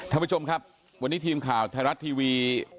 ท่านผู้ชมครับวันนี้ทีมข่าวไทยรัฐทีวี